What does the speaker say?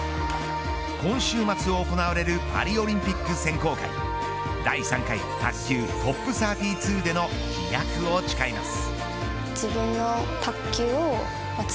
今週末行われるパリオリンピック選考会第３回卓球ＴＯＰ３２での飛躍を誓います。